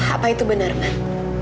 apa itu benar man